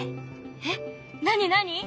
えっ何何？